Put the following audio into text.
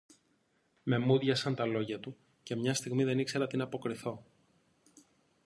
Με μούδιασαν τα λόγια του, και μια στιγμή δεν ήξερα τι ν' αποκριθώ.